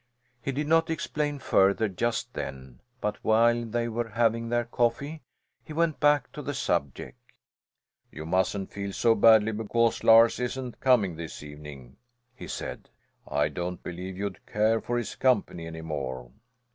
He did not explain further just then, but while they were having their coffee, he went back to the subject. "You mustn't feel so badly because Lars isn't coming this evening," he said. "I don't believe you'd care for his company any more."